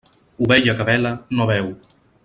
Ovella que bela no beu.